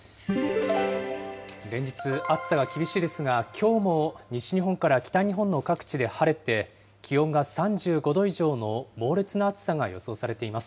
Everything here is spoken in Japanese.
連日、暑さが厳しいですが、きょうも西日本から北日本の各地で晴れて、気温が３５度以上の猛烈な暑さが予想されています。